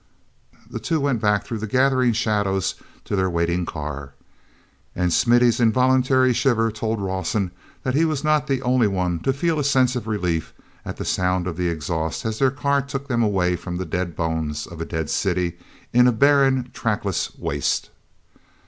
The two went back through the gathering shadows to their waiting car. And Smithy's involuntary shiver told Rawson that he was not the only one to feel a sense of relief at the sound of the exhaust as their car took them away from the dead bones of a dead city in a barren, trackless waste.